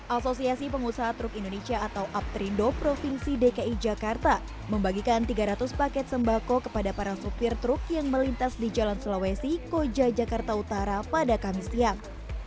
asosiasi pengusaha truk indonesia atau aptrindo provinsi dki jakarta membagikan tiga ratus paket sembako kepada para supir truk yang melintas di jalan sulawesi koja jakarta utara pada kamis siang